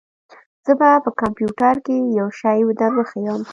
زه به په کمپيوټر کښې يو شى دروښييم.